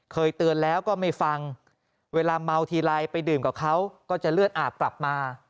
เคยเตือนแล้วก็ไม่ฟังเวลาเมาทีไรไปดื่มกับเขาก็จะเลือดอาบกลับมา